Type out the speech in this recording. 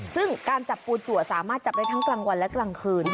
ซึ่งการจับปูจัวสามารถจับได้ทั้งกลางวันและกลางคืน